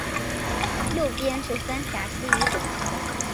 右边是三峡溪与拱桥